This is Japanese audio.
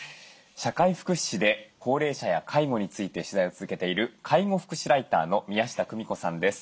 社会福祉士で高齢者や介護について取材を続けている介護福祉ライターの宮下公美子さんです。